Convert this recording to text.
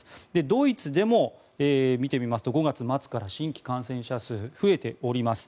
ドイツでも、見てみますと５月末から新規感染者数が増えています。